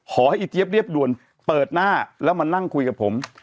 ไอเจี๊ยบเรียบด่วนเปิดหน้าแล้วมานั่งคุยกับผม